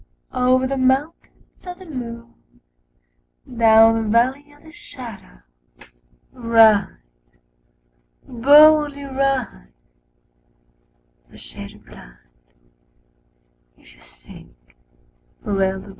"Over the Mountains Of the Moon, Down the Valley of the Shadow, Ride, boldly ride," The shade replied "If you seek for Eldorado!"